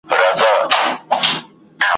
بزګران د خوړو بنسټ جوړوي.